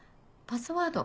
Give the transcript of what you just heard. パスワード？